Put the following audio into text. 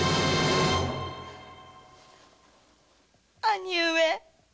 兄上。